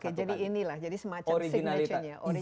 oke jadi inilah jadi semacam signature nya